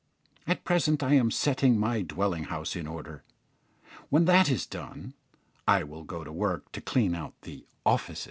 At present I am setting my dwelling house in order. When that is done I will go to work to clean out the "offices."